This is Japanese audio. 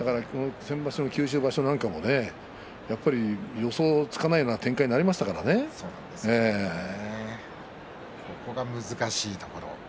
先場所の九州場所なんかも予想がつかないような展開にそこが難しいところ。